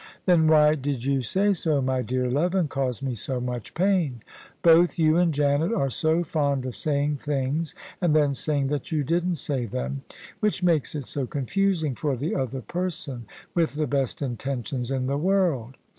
" Then why did you say so, my dear love, and cause me so much pain ? Both you and Janet are so fond of saying things and then saying that you didn't say them, which makes it so confusing for the other person, with the best intentions in the world.